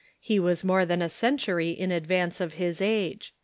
He was more than a centuiy in advance of his age."